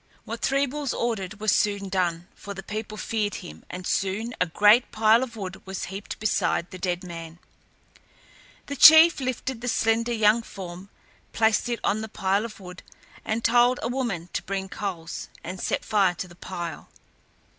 What Three Bulls ordered was soon done, for the people feared him, and soon a great pile of wood was heaped beside the dead man. The chief lifted the slender young form, placed it on the pile of wood, and told a woman to bring coals and set fire to the pile.